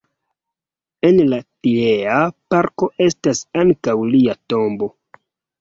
En la tiea parko estas ankaŭ lia tombo.